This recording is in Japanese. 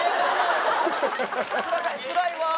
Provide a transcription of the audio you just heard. つらいわ。